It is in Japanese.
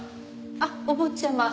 あっお坊ちゃま。